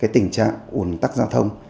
tình trạng ủn tắc giao thông